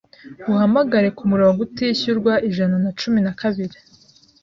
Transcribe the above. uhamagare ku murongo utishyurwa ijana na cumi na kabiri